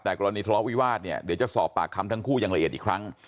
แต่กรณีทะเลาะวิวาสเนี่ยเดี๋ยวจะสอบปากคำทั้งคู่อย่างละเอียดอีกครั้ง